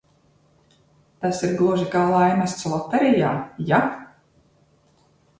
Tas ir gluži kā laimests loterijā, ja?